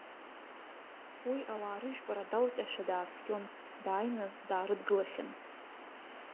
Уи ауаа рыжәпара далҟьашәа дааскьон, дааины даарыдгылахьан.